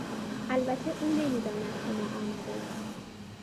البته او نمیداند که ما آمدهایم.